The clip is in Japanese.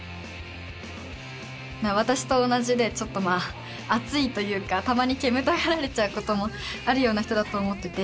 私と同じでちょっと熱いというかたまに煙たがられちゃうこともあるような人だと思ってて。